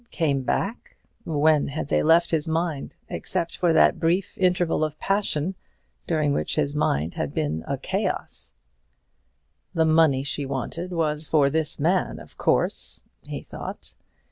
Came back? When had they left his mind, except for that brief interval of passion during which his mind had been a chaos? "The money she wanted was for this man, of course!" he thought.